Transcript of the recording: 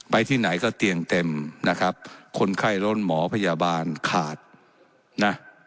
ที่ไหนก็เตียงเต็มนะครับคนไข้รถหมอพยาบาลขาดนะ